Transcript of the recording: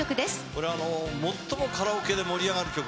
これ、最もカラオケで盛り上がる曲